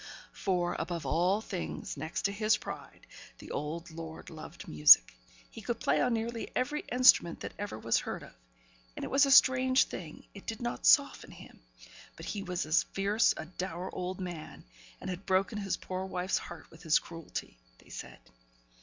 For, above all things, next to his pride, the old lord loved music. He could play on nearly every instrument that ever was heard of, and it was a strange thing it did not soften him; but he was a fierce dour old man, and had broken his poor wife's heart with his cruelty, they said.